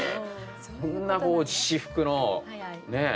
こんなこう私服のねえ。